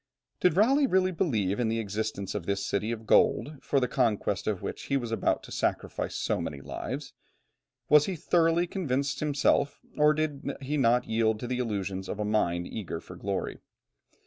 Did Raleigh believe really in the existence of this city of gold, for the conquest of which he was about to sacrifice so many lives? Was he thoroughly convinced himself, or did he not yield to the illusions of a mind eager for glory?